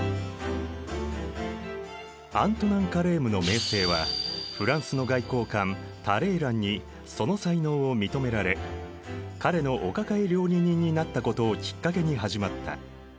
アントナン・カレームの名声はフランスの外交官タレーランにその才能を認められ彼のお抱え料理人になったことをきっかけに始まった。